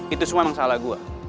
itu semua memang salah gue